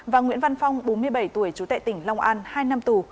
và nguyễn văn phong bốn mươi bảy tuổi chú tệ tỉnh long an hai năm tù